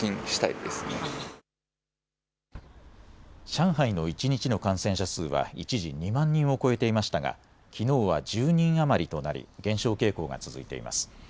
上海の一日の感染者数は一時、２万人を超えていましたがきのうは１０人余りとなり減少傾向が続いています。